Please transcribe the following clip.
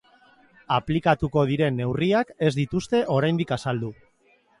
Aplikatuko diren neurriak ez dituzte oraindik azaldu.